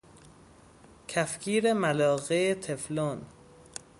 کفگیر ملاقه تفلون